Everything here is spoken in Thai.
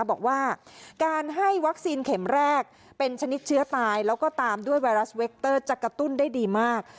บอกว่าการให้วัคซีนเข็มแรกเป็นชนิดเชื้อตายแล้วก็ตามด้วยไวรัสเวคเตอร์จะกระตุ้นได้ดีมาก